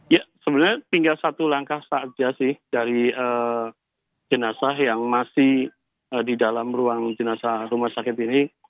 ya sebenarnya tinggal satu langkah saja sih dari jenazah yang masih di dalam ruang jenazah rumah sakit ini